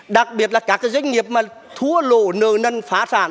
đặc biệt là các doanh nghiệp mà thua lộ nờ nâng phá sản